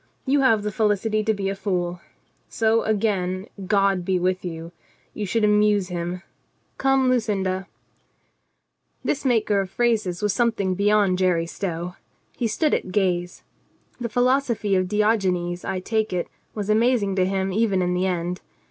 You have the felicity to be a fool. So again, God be with you. You should amuse Him. Come, Lucinda." HOW THE WORLD LOOKED THEN 5 This maker of phrases was something beyond Jerry Stow. He stood at gaze. The philosophy of Diogenes, I take it, was amazing to him even in the end.